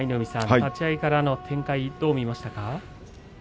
立ち合いからの展開どう見ましたか？